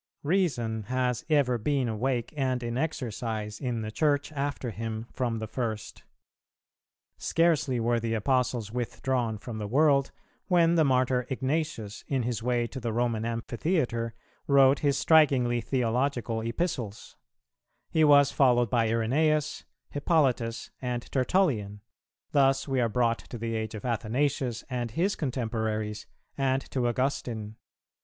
3. Reason has ever been awake and in exercise in the Church after Him from the first. Scarcely were the Apostles withdrawn from the world, when the Martyr Ignatius, in his way to the Roman Amphitheatre, wrote his strikingly theological Epistles; he was followed by Irenæus, Hippolytus, and Tertullian; thus we are brought to the age of Athanasius and his contemporaries, and to Augustine.